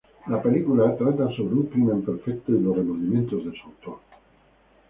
La película trata sobre un crimen perfecto y los remordimientos de su autor.